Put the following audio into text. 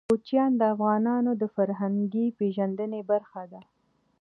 کوچیان د افغانانو د فرهنګي پیژندنې برخه ده.